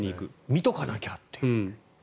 見ておかなきゃっていう。